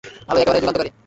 ভালোই, একেবারে যুগান্তকারী!